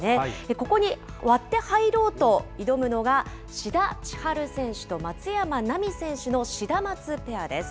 ここに割って入ろうと挑むのが、志田千陽選手と松山奈未選手のシダマツペアです。